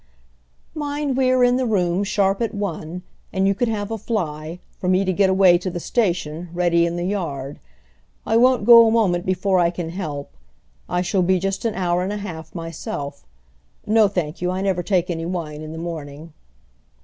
"Mind we are in the room sharp at one. And you can have a fly, for me to get away to the station, ready in the yard. I won't go a moment before I can help. I shall be just an hour and a half myself. No, thank you, I never take any wine in the morning."